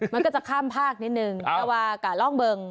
มันก็จะข้ามภาคนิดนึงแต่ว่ากะล่องเบิง